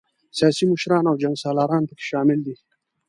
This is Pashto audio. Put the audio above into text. سیاسي مشران او جنګ سالاران پکې شامل دي.